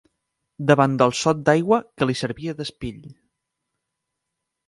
Davant del sot d'aigua que li servia d'espill